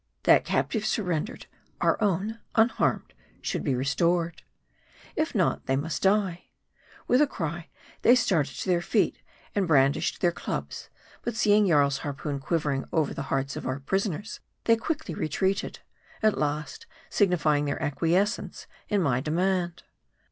That captive surrendered, our own, unharmed, should be restored. If not, they must die. With a cry, they started to their feet, and brandished their clubs ; but, seeing Jarl's harpoon quivering over the hearts of our prisoners, they quickly retreated ; at last signifying their acquiescence in my demand.